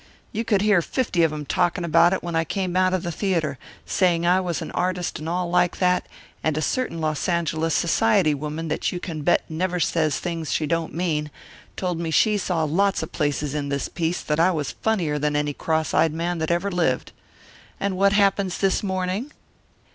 You could hear fifty of 'em talking about it when I came out of the theatre, saying I was an artist and all like that, and a certain Los Angeles society woman that you can bet never says things she don't mean, she told me she saw lots of places in this piece that I was funnier than any cross eyed man that ever lived. And what happens this morning?"